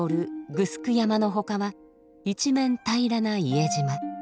城山の他は一面平らな伊江島。